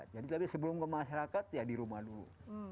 jadi tapi sebelum ke masyarakat ya di rumah dulu